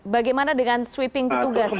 bagaimana dengan sweeping petugas